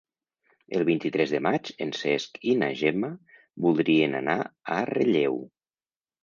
El vint-i-tres de maig en Cesc i na Gemma voldrien anar a Relleu.